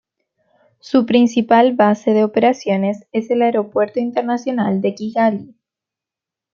Su principal base de operaciones es el Aeropuerto Internacional de Kigali.